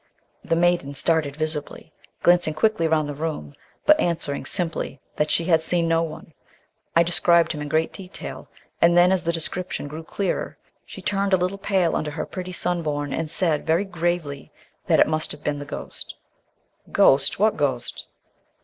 The maiden started visibly, glancing quickly round the empty room, but answering simply that she had seen no one. I described him in great detail, and then, as the description grew clearer, she turned a little pale under her pretty sunburn and said very gravely that it must have been the ghost. "Ghost! What ghost?"